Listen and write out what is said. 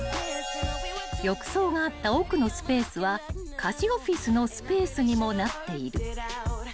［浴槽があった奥のスペースは貸しオフィスのスペースにもなっている］